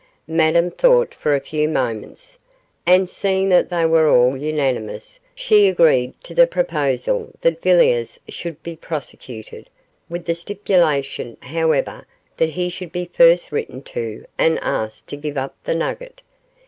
Madame thought for a few moments, and, seeing that they were all unanimous, she agreed to the proposal that Villiers should be prosecuted, with the stipulation, however, that he should be first written to and asked to give up the nugget.